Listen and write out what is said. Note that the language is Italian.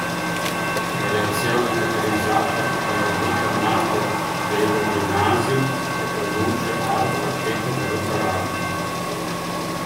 La reazione catalizzata dalla glutammato deidrogenasi che produce alfa-chetoglutarato